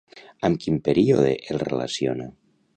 Amb quin període el relaciona?